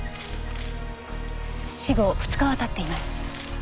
死後２日は経っています。